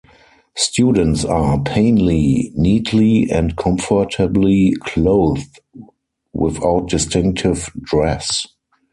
Students are "plainly, neatly, and comfortably clothed, without distinctive dress".